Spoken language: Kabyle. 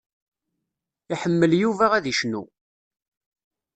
Iḥemmel Yuba ad icnu.